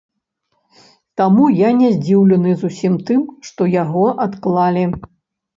Таму я не здзіўлены зусім тым, што яго адклалі.